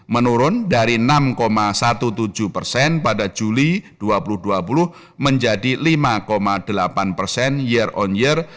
menurun dari enam tujuh belas persen pada juli dua ribu dua puluh menjadi lima delapan persen year on year